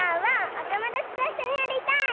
おともだちといっしょにやりたい！